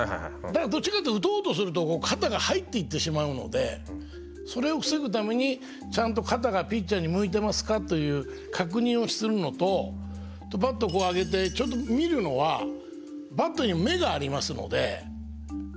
どっちかっていうと打とうすると肩が入っていってしまうのでそれを防ぐためにちゃんと肩がピッチャーに向いてますかという確認をするのとバットを上げてちょっと見るのはバットに目がありますので。